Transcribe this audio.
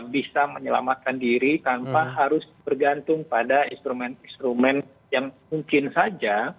bisa menyelamatkan diri tanpa harus bergantung pada instrumen instrumen yang mungkin saja